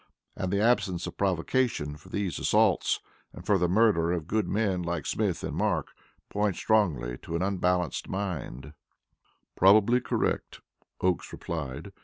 And the absence of provocation for those assaults, and for the murder of good men like Smith and Mark, point strongly to an unbalanced mind." "Probably correct," Oakes replied.